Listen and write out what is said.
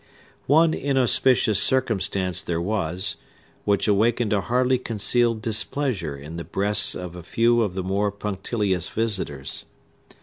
One inauspicious circumstance there was, which awakened a hardly concealed displeasure in the breasts of a few of the more punctilious visitors.